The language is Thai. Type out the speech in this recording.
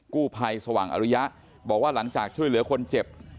กู้ภัยสว่างอริยะบอกว่าหลังจากช่วยเหลือคนเจ็บ